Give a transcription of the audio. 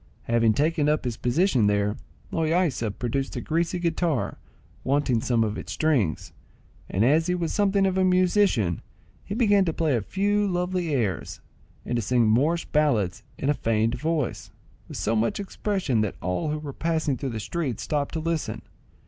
Having taken up his position there, Loaysa produced a greasy guitar, wanting some of its strings, and as he was something of a musician, he began to play a few lovely airs, and to sing Moorish ballads in a feigned voice, with so much expression that all who were passing through the street stopped to listen.